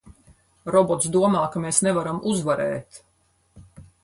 Robots domā, ka mēs nevaram uzvarēt!